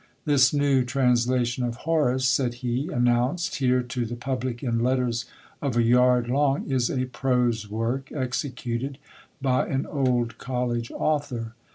This new translation of Horace, said he, announced here to the public in letters of a yard long, is a prose work, executed by an old college author.